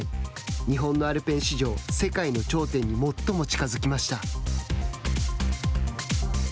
日本のアルペン史上世界の頂点に最も近づきました。